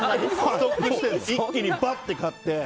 一気にバッて買って。